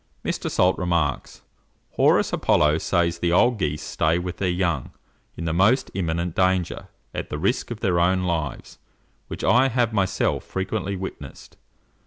Mr. Salt remarks, "Horus Apollo says the old geese stay with their young in the most imminent danger, at the risk of their own lives, which I have myself frequently witnessed.